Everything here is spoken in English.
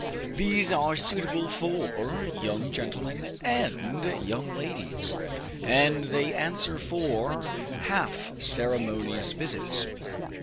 These are suitable for young gentlemen and young ladies; and they answer for half ceremonious visits.